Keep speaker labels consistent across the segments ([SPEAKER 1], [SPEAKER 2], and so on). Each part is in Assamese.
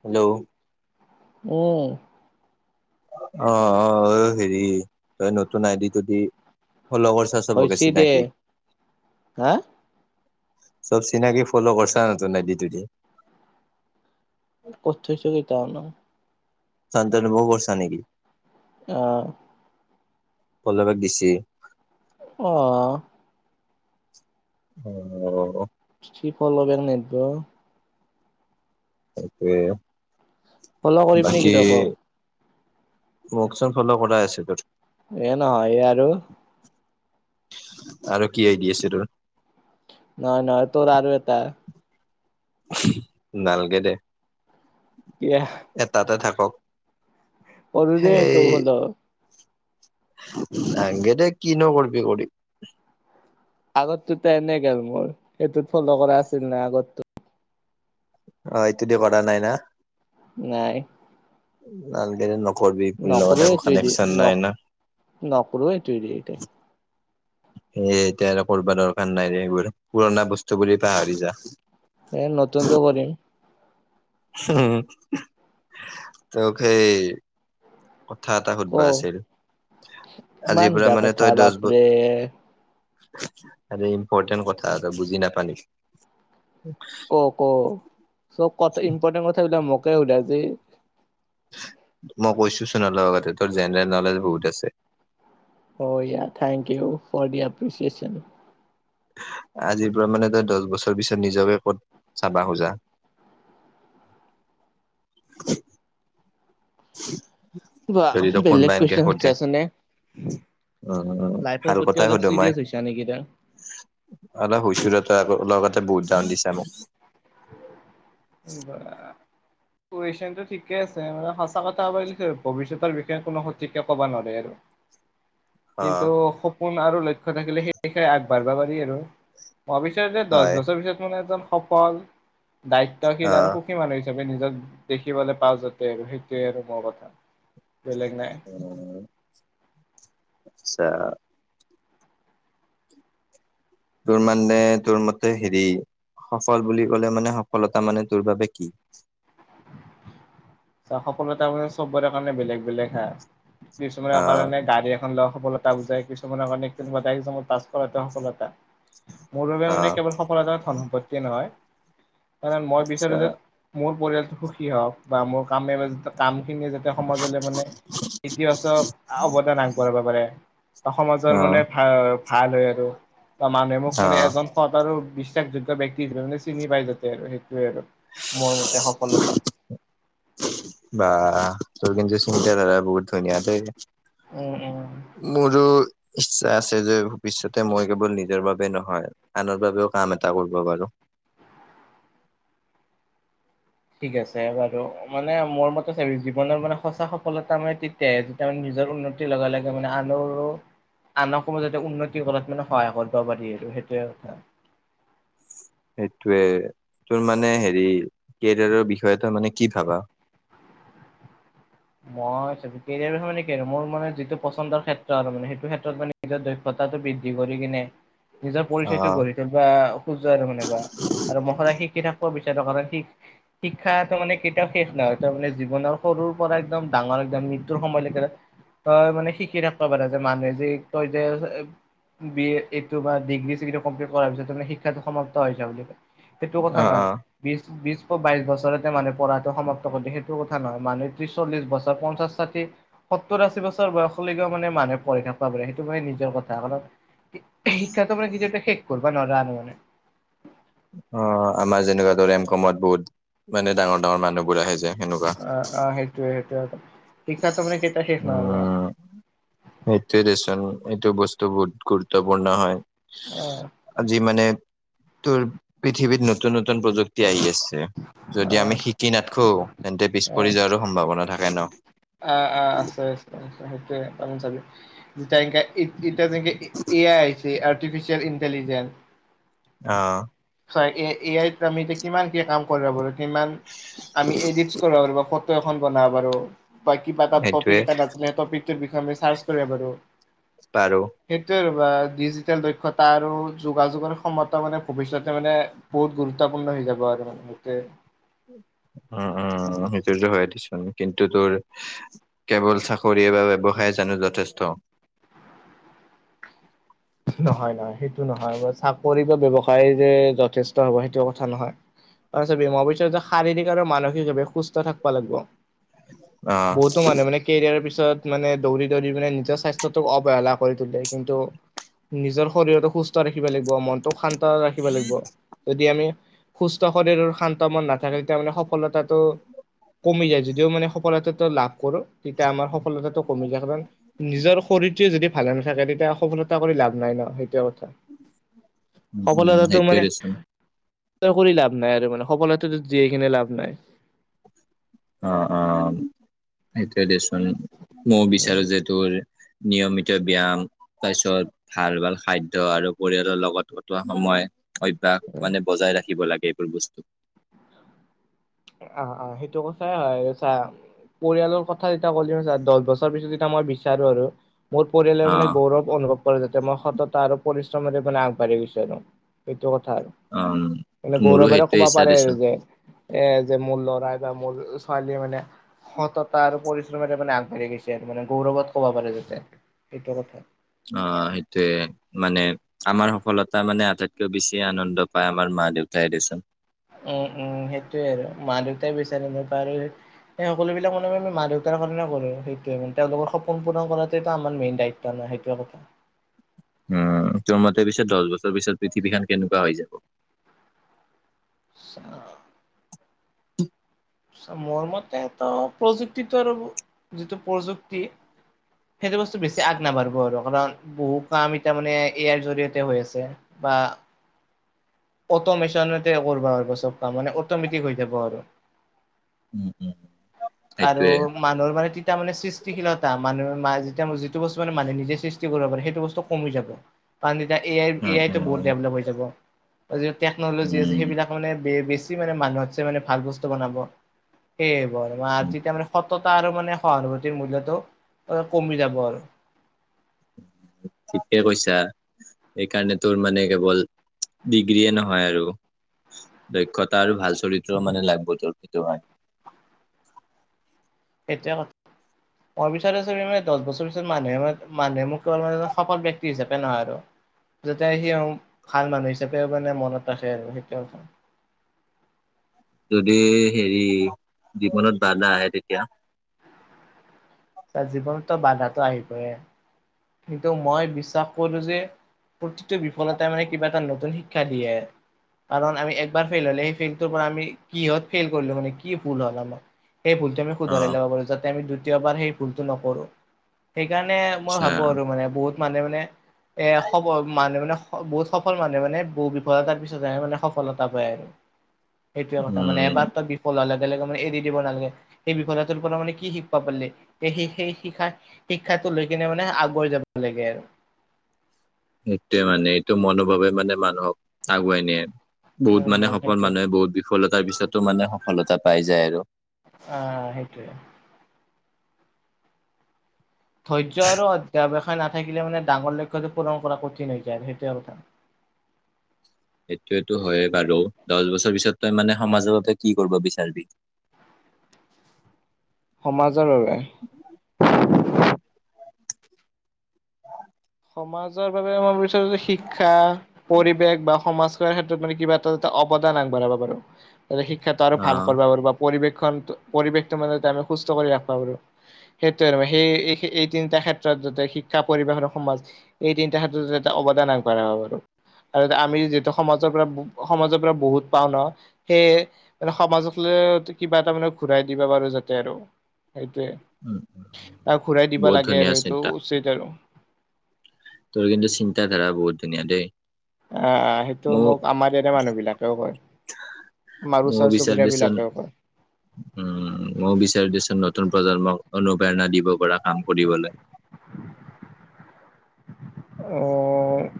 [SPEAKER 1] হেল্ল',
[SPEAKER 2] উম,
[SPEAKER 1] অ - অ হেৰি তই নতুন আইডিটো দি লগৰ চ চাবকে
[SPEAKER 2] হৈছে দে
[SPEAKER 1] চিনাকি।
[SPEAKER 2] হা
[SPEAKER 1] চব চিনাকি ফল্লৈ কৰিছা নটোন আইদিতো দি।
[SPEAKER 2] ক থছকেইটা নাম [unintelligible]
[SPEAKER 1] সানন্তান বহু বৰ্ষা নেকি।
[SPEAKER 2] আহ।
[SPEAKER 1] [unintelligible] গেছি
[SPEAKER 2] অহ ',
[SPEAKER 1] উম,
[SPEAKER 2] সি ফলবেল নেদবো
[SPEAKER 1] অকে,
[SPEAKER 2] ফল কৰিম নেকি তক?
[SPEAKER 1] মোকচোন ফল কৰাই আছে তোৰ।
[SPEAKER 2] এ নহয়ে আৰু
[SPEAKER 1] আৰু কি আইডি আছে তোৰ?
[SPEAKER 2] নাই - নাই তোৰ আৰু এটা
[SPEAKER 1] নালগে দে
[SPEAKER 2] এয়া
[SPEAKER 1] এটাতে থাকক।
[SPEAKER 2] অৰুদহেতটো হল [unintelligible]
[SPEAKER 1] গে দে ক নোকৰবি কৰি [unintelligible]
[SPEAKER 2] আগৰটো এনেই গেল মোৰ, সেইটোত ফল' কৰা আছিল নাই আগৰটোত
[SPEAKER 1] অ, এইটো দি কৰা নাই না?
[SPEAKER 2] নাই
[SPEAKER 1] নালগেদে, [unintelligible]
[SPEAKER 2] নকৰো
[SPEAKER 1] লগতে একো
[SPEAKER 2] এইটোৱেদি
[SPEAKER 1] কানেকচন নাই ন?
[SPEAKER 2] নকৰো এইটোৱেদি এতিয়া
[SPEAKER 1] সেই এতিয়া আৰু কৰবা দৰকাৰ নাই ৰে এইবোৰ, পুৰণা বস্তু বুলি পাহৰি যা।
[SPEAKER 2] এ নতুনটো কৰিম।
[SPEAKER 1] হুম, তোক হেই কথা এটা
[SPEAKER 2] ক
[SPEAKER 1] সুধবা আছিল?
[SPEAKER 2] ইমান
[SPEAKER 1] আজিৰ পৰা
[SPEAKER 2] ধা
[SPEAKER 1] মানে,
[SPEAKER 2] কথা
[SPEAKER 1] তই দছ ব
[SPEAKER 2] বাপৰে
[SPEAKER 1] আৰে ইম্পৰ্টেণ্ট কথা এটা বুজি নাপালি? হু।
[SPEAKER 2] ক, ক, চব কথা ইম্পৰ্টেণ্ট কথা বিলাক মোকেই সুধা যে?
[SPEAKER 1] মই কৈছোঁ চোন, অলপ আগতে তোৰ জেনেৰেল নলেজ বহুত আছে।
[SPEAKER 2] অ ইয়া thank you for the appreciation.
[SPEAKER 1] আজিৰ পৰা মানে তই দচ বছৰ পিছত নিজকে ক'ত চাবা খোজা? [inaudible]
[SPEAKER 2] বাহ
[SPEAKER 1] যদি তোক
[SPEAKER 2] বেলেগ
[SPEAKER 1] কোনবায় এনকে
[SPEAKER 2] কুৱেশন
[SPEAKER 1] সুধে?
[SPEAKER 2] সুধছাচোন নে?
[SPEAKER 1] অ অ
[SPEAKER 2] লাইফৰ
[SPEAKER 1] ভাল
[SPEAKER 2] প্ৰতি
[SPEAKER 1] কথাই
[SPEAKER 2] অলপ
[SPEAKER 1] সুধো মই।
[SPEAKER 2] চিৰিয়াছ হৈছা নেকি তই?
[SPEAKER 1] অলপ হুচৰতা অলপ আগতে বহুত ডাউন দিছা মোক
[SPEAKER 2] উ', বা।
[SPEAKER 1] [inaudible]
[SPEAKER 2] কুৱেশনটো ঠিকেই আছে, মানে সঁচা কথা কবা গেলি থে ভৱিষ্যতৰ বিষয়ে কোনো সঠিকে ক'বা নোৱাৰে আৰু।
[SPEAKER 1] অ
[SPEAKER 2] কিন্তু সপোন আৰু লক্ষ্য থাকিলে, সেইবিষয়ে আগবাঢ়বা পাৰি আৰু। অৱশ্যে যে দছ
[SPEAKER 1] হয়
[SPEAKER 2] বছৰৰ পিছত মানে একদম সফল
[SPEAKER 1] অ
[SPEAKER 2] দায়িত্বশীল আৰু সুখী মানু হি হিচাপে নিজক দেখিবলৈ পাওঁ যাতে, আৰু সেইটোৱে আৰু মৰ কথা। বেলেগ নাই।
[SPEAKER 1] ছা। তোৰ মানে তোৰ মতে হেৰি সফল বুলি ক'লে মানে, সফলতা মানে তোৰ বাবে কি?
[SPEAKER 2] সফলতা ভাবে চব্বৰে কাৰণে বেলেগ বেলেগ হা
[SPEAKER 1] অ
[SPEAKER 2] কিছুমানৰ কাৰণে গাড়ী এখন লোৱা সফলতা বুজাই, কিছুমানৰ কাৰণে কোনোবা এটা একজামত পাছ কৰাটো সফলতা। মোৰ বাবে
[SPEAKER 1] অ
[SPEAKER 2] মানে, কেৱল সফলতা ধন সম্পত্তিয়ে নহয়। কাৰণ মই
[SPEAKER 1] আচ্ছা
[SPEAKER 2] বিচাৰো যে, মোৰ পৰিয়ালটো সুখী হওঁক, বা মোৰ কামে মে কাম খিনিয়ে যেন তে সমাজলৈ মানে, ইতিবাচক অৱদান আগবঢ়াব পাৰে। ত সমাজৰ
[SPEAKER 1] অ
[SPEAKER 2] মানে ভা- ভাল হয় আৰু, মানুহে মোক
[SPEAKER 1] অ
[SPEAKER 2] মানে এজন সৎ আৰু বিচ যোগ্য ব্যক্তি হিচাপে চিনি পাই যাতে আৰু সেইটোৱে আৰু, মোৰ মতে সফলতা।
[SPEAKER 1] বা [unintelligible] ধাৰা বহুত ধুনীয়া দেই
[SPEAKER 2] উম উম
[SPEAKER 1] মোৰো ইচ্ছা আছে যে ভৱিষ্যতে মই কেৱল নিজৰ বাবে নহয়, আনৰ বাবেও কাম এটা কৰিব পাৰো। [inaudible]
[SPEAKER 2] ঠিক আছে বাৰু, মানে মোৰ মতে চাবি জীৱনৰ মানে সঁচা সফলতা মানে তেতিয়াহে যেতিয়া মানে নি নিজৰ উন্নতি লগা লগে মানে আনৰো আনকো যাতে উন্নতি কৰাত মানে সহায় কৰবা পাৰি আৰু সেইটো হে কথা।
[SPEAKER 1] সেতটোৱে তোৰ মানে হেৰি, কেৰিয়াৰৰ বিষয়ে তই মানে কি ভাব?
[SPEAKER 2] মই সেইটো কেৰিয়াৰৰ বিষয়ে মানে কি আৰু, মোৰ মানে যিটো পচন্দৰ ক্ষেত্ৰ আৰু মানে সেইটো ক্ষেত্ৰত মানে কেতিয়াও দক্ষতাত সিহঁতৰ বৃদ্ধি কৰি কিনে নিজৰ পৰিচয়টো
[SPEAKER 1] অ',
[SPEAKER 2] গঢ়ি তুলবা খুজো আৰু মানে বা, আৰু মশ ৰাশিক কেইটা ক বিচ সেটকা ৰাশিক, শিক্ষা ত মানে কেতিয়াও শেষ নহয় তই মানে জীৱনৰ সৰু পৰা একদম ডাঙৰ একদম মৃত্যুৰ সময় লৈকেৰে তই মানে শিকি থাকবা পাৰা যে, মানুহে যে কয় যে বি এ এইটো বা ডিগ্ৰী-চিগ্ৰী কমপ্লিট কৰাৰ পিছত তামানে শিক্ষাটো সমাপ্ত হৈ যাওআ বুলি কয়। সেইটো কথা
[SPEAKER 1] অ',
[SPEAKER 2] নহয়,
[SPEAKER 1] অ',
[SPEAKER 2] বিচ বিশ বা বাইশ বছৰতে মানুহে পঢ়াটো সমাপ্ত কৰদে। সেইটো কথা নহয় মানুহ ত্ৰিছ, চল্লিছ বছৰ, পঞ্চাছ, ছাঠি, সত্তোৰ, আছি বছৰ বয়সৰ লৈকিও মানে মানুহে পঢ়ি থাকবা পাৰে। সেইটো মানে নি নিজৰ কথা কাৰণ, শি শিক্ষাটো মানে যেতিয়া তেতিয়া শেষ কৰবা নৱৰা আৰু মানে।
[SPEAKER 1] অ', আমাৰ যেনেকুৱাতো ৰেম কমত বহুত মানে ডাঙৰ ডাঙৰ মানুহ বোৰ আহে যে। সেনেকুৱা
[SPEAKER 2] অ', অ', সেইটোৱে সেইটোৱে আৰু। শিক্ষাটো মানে কেতিয়াও শেষ নাহয়গৈ
[SPEAKER 1] উম,
[SPEAKER 2] আৰু।
[SPEAKER 1] সেইটোৱে দেচোন এইটো বস্তু বহুত গুৰুত্বপূৰ্ণ হয়, আজি মানে তোৰ পৃথিৱীত নতুন নতুন প্ৰযুক্তি আহি আছে। যদি
[SPEAKER 2] অ
[SPEAKER 1] আমি শিকি নাথকো তেন্তে পিছ পৰি যোৱাৰো সম্ভাৱনা থাকে ন'।
[SPEAKER 2] অ', অ', আছে আছে আ, সেইটোয়ে চ এতিয়া যেনেকে A I Aichi artificial intelligence.
[SPEAKER 1] অ'।
[SPEAKER 2] হয় এ আইত আমি এতি কিমান কি কাম কৰা পাৰো কিমান আমি এডিট কৰা পাৰোঁ ফটো এখন বনাবা পাৰো বা কিবা এটা টপিক
[SPEAKER 1] সেইটোয়ে
[SPEAKER 2] এটা নাে সেইটিক বিষযে চাৰ্চ কৰবা পাৰোঁ।
[SPEAKER 1] পাৰো
[SPEAKER 2] সেইটো আৰু বা ডিজিটেল দক্ষতা আৰু যোগাযোগৰ ক্ষমতা মানে ভৱিষ্যতে মানে বহুত গুৰুত্বপূৰ্ণ। সজাবাদ মে [unintelligible]
[SPEAKER 1] উম। উম উম সেইটো হয় দিচোন কিন্তু তোৰ কেৱল চাকৰি বা ব্যৱসায়ত। জানো যথেষ্ট।
[SPEAKER 2] নহয়, নহয় সেইটো নহয় চাকৰি বা ব্যৱসায় যে যথেষ্ট হ'ব সেইটো কথা নহয়। তই চাবি মই কচু শাৰীৰিক আৰু মানসিকভাৱে সুস্থ থাকবা লাগব। বহুতো মানুহ মানে কেৰিয়াৰৰ পিছত য'ত মানে দৌৰি দৌৰি মানে নিজৰ স্বাস্থ্যটোক অৱহেলা কৰি তোলে কিন্তু নিজৰ শৰীৰটো সুস্থ ৰাখিব লাগিব মনটোক শান্ত ৰাখিব লাগিব যদি আমি সুস্থ শৰীৰৰ শান্ত মন নাথাকে তেতিয়া মানে সফলতাটো কমি যায় যদিও মানে সফলতা লাভ কৰো। তেতিয়া আমাৰ সফলতাটো কমি যায় কাৰণ নিজৰ শৰীৰটোৱে যদি ভালে নাথাকে তেতিয়া সফলতা কৰি লাভ নাই ন' সেইটো
[SPEAKER 1] উম, উম, সেইটোৱে দেছোন।
[SPEAKER 2] তই কৰি লাভ নাই আৰু মানে সফলতা দিয়ে কিনে লাভ নাই।
[SPEAKER 1] অ', অ', সেইটোয়ে দেচোন মই বিচাৰো যে তোৰ নিয়মিত ব্যায়াম তাৰপিছত ভাল ভাল খাদ্য আৰু পৰিয়ালৰ লগত কটোৱা সময়। অভ্যাস মানে বজাই ৰাখিব লাগে এইবোৰ বস্তু
[SPEAKER 2] অ'অ' সেইটো কথাই হয় আৰু চা। পৰিয়ালৰ কথা যেতিয়া কলি আৰু দহ বছৰ পিছত যেতিয়া মই বিচাৰো আৰু মোৰ পৰিয়ালে
[SPEAKER 1] অ
[SPEAKER 2] মানে গৌৰৱ অনুভৱ কৰে যাতে মই সততা আৰু পৰিশ্ৰমৰে মানে আগবাঢ়িব গৈছো আৰু। এইটো কথা
[SPEAKER 1] উম
[SPEAKER 2] এ
[SPEAKER 1] মোৰো
[SPEAKER 2] গৌৰৱে
[SPEAKER 1] সেইটোৱে
[SPEAKER 2] ক'ব
[SPEAKER 1] ইচ্ছা
[SPEAKER 2] পাৰে আৰু
[SPEAKER 1] দেচোন
[SPEAKER 2] যে এ যে মোৰ ল'ৰাই বা মোৰ ছোৱালী মানে সততা আৰু পৰিশ্ৰমেৰে মানে আগবাঢ়ি গৈছে আৰু মানে গৌৰৱত ক'ব পাৰে যাতে সেইটো কথা।
[SPEAKER 1] অ সেইটোয়ে মানে আমাৰ সফলতা মানে আটাইতকৈ বেছি আনন্দ পায়। আমাৰ মা দেউাতাই দেচোন।
[SPEAKER 2] উম, উম, সেইটোয়ে আৰু মা দেউতাই বিচাৰিব পাৰে। সেই সকলোবিলাক মানহে আমি মা দেউতাৰ কাৰণে কৰো সেইটোৱে মান তেওঁলোকৰ সপোন পূৰণ কৰাটোটো আমাৰ মেইন দায়িত্ব ন'। সেইটোৱে কথা।
[SPEAKER 1] [inaudible] উম, তোৰ মতে পিছত দহ বছৰ পিছত পৃথিৱীখন কেনেকুৱা হৈ যাব?
[SPEAKER 2] চা মোৰ মতে তো প্ৰযুক্তিটো আৰু যিটো প্ৰযুক্তি সেইটো বস্তুত বেছি আগ নাবাৰ্ভ আৰু। কাৰণ বহু কাম এতিয়া মানে ইয়াৰ জৰিয়তে হৈ আছে বা অটোমচনতে কৰবা পাৰবা চব কাম আৰু মানে অটমেটিক হৈ যাব আৰু।
[SPEAKER 1] উম, উম।
[SPEAKER 2] আৰু
[SPEAKER 1] সেইটোয়ে
[SPEAKER 2] মানুহৰ মানে তি তেতিয়া মানে সৃষ্টিশীলতা মানুহে মতিয়া যিটো বস্তু মানে মানুহে নিজে সৃষ্টি কৰিব পাৰে সেইটো বস্তু কমি যাব। পতি এ আই এ
[SPEAKER 1] উম
[SPEAKER 2] আই টো বহুত
[SPEAKER 1] উম
[SPEAKER 2] ডেভলপ হৈ যাব বা যি টেকনলজি আছে
[SPEAKER 1] উম
[SPEAKER 2] সেইবিলাক মানে বেছি মানুহত ছে মানে ভাল বস্তু বনাব সেয়ে ব
[SPEAKER 1] উম,
[SPEAKER 2] তেতিয়া মানে। ততা আৰু মানে সহানুভূতিৰ মূল্যতো কমি যাব আৰু
[SPEAKER 1] ঠিকে কৈছা। সেইকাৰণে তোৰ মানে কেৱল ডিগ্ৰীয়ে নহয় আৰু দক্ষতা আৰু ভাল চৰিত্ৰ মানে [unintelligible] হয়।
[SPEAKER 2] এতিয়া ভৱিষ্যতে চাগে মানে দহ বছৰ পিছত মানুহে মানুহে মোক কেৱল মানে সফল ব্যক্তি হিচাপে নহয় আৰু যাতে সি ভাল মানুহ হিচাপেও মানে মনত ৰাখে আৰু সেইটোৱে।
[SPEAKER 1] [inaudible] যদি হেৰি জীৱনত বাধা আহে তেতিয়া?
[SPEAKER 2] তাৰ জীৱনতো বাধাটো আহিবয়ে কিন্তু মই বিশ্বাস কৰো যে প্ৰতিটো বিফলতাই মানে কিবা এটা নতুন শিক্ষা দিয়ে। কাৰণ আমি একবাৰ ফেইল হ'লে সেই ফেইলটোৰ পৰা আমি কিহত ফেইল কৰিলো মানে কি ভুল হ'ল আমাৰ সেই ভুলটো আমি
[SPEAKER 1] অ
[SPEAKER 2] শুধৰাই লব পাৰো যাতে আমি দ্বিতীয়বাৰ সেই ভুলতটো নকৰো। সেইকাৰণে মই
[SPEAKER 1] আচ্ছা
[SPEAKER 2] ভাব আৰু মানে বহুত মানে মানে এ খ মানুহে মানে বহুত সফল মানুহে মানে বহু বিফলতাৰ পিছতহে মানে সফলতা পায় আৰু। সেইটোৱে কথা মানে
[SPEAKER 1] উম
[SPEAKER 2] এবাৰ তো বিফল হ'লে মানে এৰি দিব নালাগে। সেই বিফলতাটোৰ পৰা মানে কি শিকিবা পালি, সেই শিক্ষা শিক্ষাত লৈ কিনে মানে আগুৱাই যাব লাগে আৰু।
[SPEAKER 1] সেইটোৱে মানে এইটো মনোভাৱে মানে মানুহক আগুৱাই নিয়ে। বহুত মানে
[SPEAKER 2] উম
[SPEAKER 1] সফল
[SPEAKER 2] সেইটোৱে
[SPEAKER 1] মানুহে বহুত বিফলতাৰ পিছতো মানে সফলতা পাই যায় আৰু।
[SPEAKER 2] অ, সেইটোৱেই। ধৈৰ্য আৰু অধ্যৱসায় নাথাকিলে মানে ডাঙৰ লক্ষ্যটো পূৰণ কৰা কঠিন হৈ যায় আৰু সেইটোৱে কথা।
[SPEAKER 1] এইটো টো হয়য়ে বাৰু, দহ বছৰ পিছত তই মানে সমাজৰ বাবে কি কৰিব বিচাৰবি? [inaudible]
[SPEAKER 2] সমাজৰ বাবে সমাজৰ বাবে মই বিচাৰো যে শিক্ষা, পৰিৱেশ বা সমাজ ক্ষেত্ৰত মানে কিবা এটা এটা অৱদান আগবঢ়াব পাৰো। শিক্ষাটো আৰু ভাল
[SPEAKER 1] অ',
[SPEAKER 2] কৰিব পাৰো বা পৰিৱেশ পৰিৱেশটো মানে আমি সুস্থ কৰি ৰাখিব পাৰো সেইটোৱে আৰু সেই এই এই তিনিটা ক্ষেত্ৰত যাতে শিক্ষা, পৰিৱেশ আৰু সমাজ এই তিনিটা ক্ষেত্ৰত অৱদান আগবঢ়াব পাৰো। আৰু আমি যিহেতু সমাজৰ পৰা সমাজৰ পৰা বহুত পাও ন সেইয়ে মানে সমাজক ল কিবা এটা মানে ঘূৰাই দিবা পাৰো যাতে আৰু।
[SPEAKER 1] উম,
[SPEAKER 2] সেইটোৱে তাক ঘূৰাই দিবা
[SPEAKER 1] বহুত
[SPEAKER 2] লাগে
[SPEAKER 1] ধুনীয়া
[SPEAKER 2] আৰু সেইটো
[SPEAKER 1] চিন্তা
[SPEAKER 2] উচিত আৰু।
[SPEAKER 1] তোৰ কিন্তু চিন্তাধাৰা বহুত ধুনীয়া দেই।
[SPEAKER 2] অ - অ সেইটো
[SPEAKER 1] মোৰ
[SPEAKER 2] মোক আমাৰ এনে মানুহ বিলাকেও কয়। আমাৰ
[SPEAKER 1] ময়ো
[SPEAKER 2] ওচৰ
[SPEAKER 1] বিচাৰ
[SPEAKER 2] চুবুৰীয়া
[SPEAKER 1] দেচোন
[SPEAKER 2] বিলাকেও কয়।
[SPEAKER 1] উম, ময়ো বিচাৰো দেচোন নতুন প্ৰজন্মক অনুপ্ৰেৰণা দিব পৰা কাম কৰিবলৈ।
[SPEAKER 2] অ',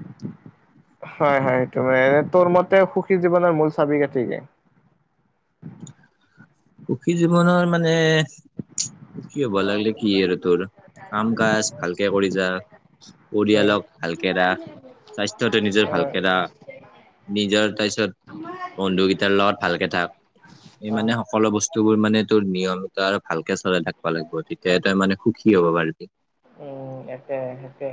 [SPEAKER 1] [inaudible]
[SPEAKER 2] হয় - হয় সেইটো মানে তোৰ মতে সুখী জীৱনৰ মূল চাবি কাঠি কি?
[SPEAKER 1] [inaudible] সুখী জীৱনৰ মানে সুখী হ'ব লাগিলে কি আৰু তোৰ কাম-কাজ ভালকে কৰিছা
[SPEAKER 2] হয়
[SPEAKER 1] পৰিয়ালক ভালকে ৰাখ, স্বাস্থ্যতে নিজৰ ভালকে
[SPEAKER 2] অ
[SPEAKER 1] ৰাখ নিজৰ তাৰপিছত বন্ধুকেইটাৰ লগত ভালকে থাক এই
[SPEAKER 2] অ
[SPEAKER 1] মানে অলপ বস্তুবোৰ মানে তোৰ নিয়ম এটা আৰু ভালকে চলাই থাকিবা লাগিব। তেতিয়াহে তই মানে সুখী হ'ব পাৰি
[SPEAKER 2] উম, একে, একে।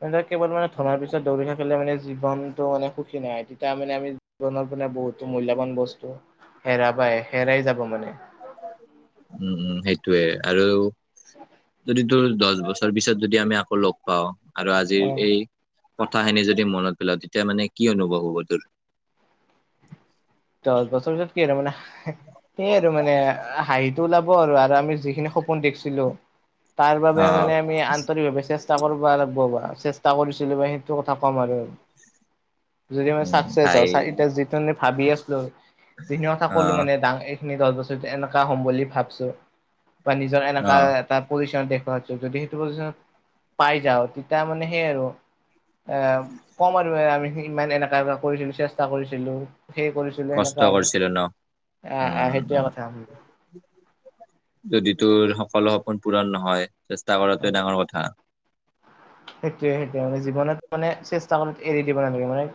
[SPEAKER 2] মানে কেৱল মানে তোমাৰ ধৰাৰ পিছত দৌৰি থাকিলে মানে জীৱনতটো মানে সুখী নহয়। তেতিয়া মানে আমি জীৱনৰ মানে বহুতো মূল্যবান বস্তু হেৰাবাই - হেৰাই যাব মানে।
[SPEAKER 1] উম, সেইটোৱে আৰু যদি তোৰ দহ বছৰ পিছত যদি আমি আকৌ লগ পাও আৰু আজিৰ
[SPEAKER 2] অ',
[SPEAKER 1] এই কথাখিনি যদি মনত পেলাও তেতিয়া মানে কি অনুভৱ হ'ব তোৰ
[SPEAKER 2] সেইয়াই আৰু মানে হাহিটো ওলাব আৰু আৰু আমি যিখিনি সপোন দেখিছিলো। তাৰ বাবে
[SPEAKER 1] অ',
[SPEAKER 2] মানে আমি আন্তৰিকভাৱে চেষ্টা কৰিব লাগিব চেষ্টা কৰিছো। সেইটো কথা কম আৰু যদি মানে
[SPEAKER 1] উম,
[SPEAKER 2] চাক্সেছ হ
[SPEAKER 1] হাঁহি
[SPEAKER 2] এতিয়া যিটো আমি ভাবি আছো। যিখিনি কথা কলো
[SPEAKER 1] অ',
[SPEAKER 2] মানে দাং এইখিনি দহ বছৰ এনেকা হম বুলি ভাবছো। বা নিজৰ এনেকা
[SPEAKER 1] অ',
[SPEAKER 2] এটা পজিশন দেখুওৱাত যদি সেইটো পজিশনত পাই যাও তেতিয়া মানে সেইয়া আৰু। এ কম আৰু আমি ইমান এনেকা বা কৰিছিলো চেষ্টা কৰিছিলো সেই হৈছিলে
[SPEAKER 1] কষ্ট
[SPEAKER 2] সেনেকুৱা আৰু
[SPEAKER 1] কৰিছিলোঁ ন?
[SPEAKER 2] আহ - আহ
[SPEAKER 1] উম,
[SPEAKER 2] সেইটোৱে কথা।
[SPEAKER 1] যদি তোৰ সকলো সপোন পূৰণ নহয় চেষ্টা কৰাটে ডাঙৰ কথা।
[SPEAKER 2] সেইটোৱে - সেইটোৱে মানে জীৱনত মানে চেষ্টা কৰাত এৰি দিব নালাগে মানে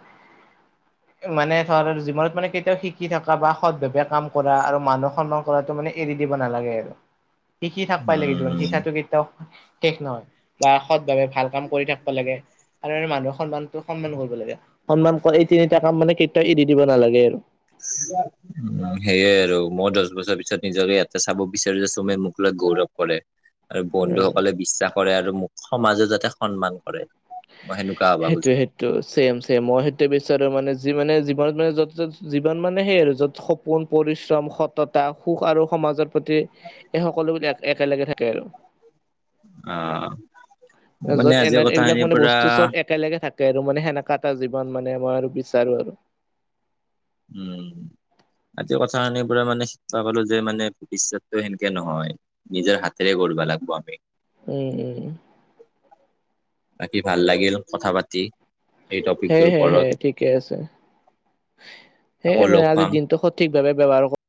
[SPEAKER 1] [inaudible]
[SPEAKER 2] মানে ধৰ জীৱনত মানে কেতিয়াও শিকি থাকা বা সৎভেবে কাম কৰা আৰু মানুহ সন্মান কৰাটো মানে এৰি দিব নালাগে আৰু। শিকি থাক পাই লাগে জিমান
[SPEAKER 1] উম,
[SPEAKER 2] শিকাটো কেতিয়াও শেষ নহয় বা সৎভাৱে ভাল। কাম কৰি থাকিব লাগে। আৰু মানুহে সন্মানটো সন্মান কৰিব লাগে সন্মান কৰা এই তিনিটা কাম মানে কেতিয়াও এৰি দিব নালাগে আৰু।
[SPEAKER 1] উ [inaudible] সেইয়ে আৰু মই দহ বছৰ পিছত নিজকে ইয়াতে চাব বিচাৰো যে তুমে মোক ল গৌৰৱ কৰে। আৰু
[SPEAKER 2] উম
[SPEAKER 1] বন্ধুসকলে বিশ্বাস কৰে আৰু মোক সমাজো যাতে সন্মান কৰে। মই সেনেকুৱা হবা
[SPEAKER 2] সেইটোৱে
[SPEAKER 1] খোজো।
[SPEAKER 2] সেইটো ছেম - ছেম মই সেইটো বিচাৰো মানে যি মানে ঘৰত মানে যত - যত জীৱন মানে সেই আৰু যত সপোন পৰিশ্ৰম সততা সুখ আৰু সমাজৰ প্ৰতি এই সকলোবিধ একেলগে থাকে আৰু।
[SPEAKER 1] অ',
[SPEAKER 2] তাৰপিছত এনে এইবিলাক মানে বস্তু চব একেলগে থাকে। কে আৰু মানে সেনেকা এটা জীৱন মানে মই আৰু বিচাৰো আৰু।
[SPEAKER 1] উম, আজি কথাখিনি পৰা মানে শিকবা পালো যে মানে ভৱিষ্যতটো সেনেকে নহয় নিজৰ হাতেৰে গড়ে। কৰিব লাগব আমি।
[SPEAKER 2] উম - উম।
[SPEAKER 1] বাকী ভাল লাগিল কথা পাতি। এই
[SPEAKER 2] হে
[SPEAKER 1] টপিকটোৰ
[SPEAKER 2] - হে - হে
[SPEAKER 1] ওপৰত
[SPEAKER 2] ঠিকে আছে। সেইয়ে
[SPEAKER 1] আকৌ
[SPEAKER 2] মানে
[SPEAKER 1] লগ পাম।
[SPEAKER 2] আজিৰ দিনটো সঠিকভাৱে ব্যৱহাৰ কৰ